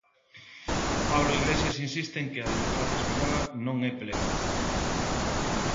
Pablo Iglesias insiste en que a democracia española non é plena.